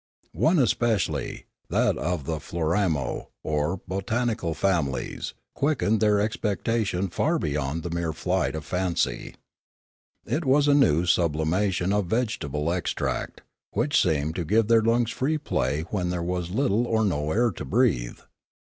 One especially, that of the Floramo or botanical families, quickened their expecta tion far beyond the mere flight of fancy. It was a new sublimation of a vegetable extract, which seemed to give their lungs free play when there was little or no air to breathe.